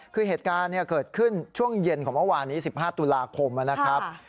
คือเหตุการณ์เกิดขึ้นช่วงเย็นของเมื่อวานนี้๑๕ตุลาคมนะครับ